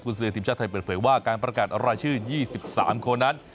คุณซื้อทีมชาติไทยเปิดเผยว่าการประกาศรายชื่อ๒๓คนนั้น